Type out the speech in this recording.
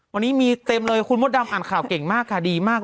วันนี้มีเต็มเลยคุณมดดำอ่านข่าวเก่งมากค่ะดีมาก